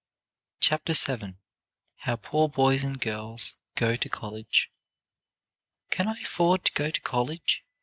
CHAPTER VII HOW POOR BOYS AND GIRLS GO TO COLLEGE "Can I afford to go to college?"